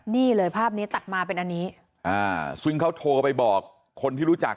นี่เลยภาพนี้ตัดมาเป็นอันนี้อ่าซึ่งเขาโทรไปบอกคนที่รู้จัก